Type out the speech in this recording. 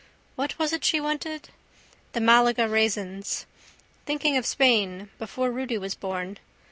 What was it she wanted? The Malaga raisins. Thinking of Spain. Before Rudy was born.